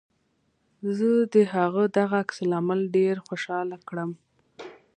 زه د هغه دغه عکس العمل ډېر خوشحاله کړم